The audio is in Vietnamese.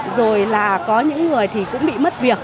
rồi là có những người thì cũng bị mất việc